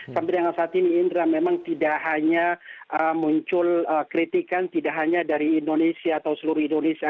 sampai dengan saat ini indra memang tidak hanya muncul kritikan tidak hanya dari indonesia atau seluruh indonesia